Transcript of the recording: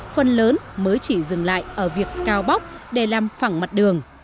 phần lớn mới chỉ dừng lại ở việc cao bóc để làm phẳng mặt đường